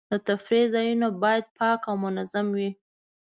د تفریح ځایونه باید پاک او منظم وي.